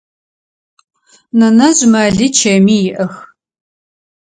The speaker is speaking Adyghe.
Нэнэжъ мэли чэми иӏэх.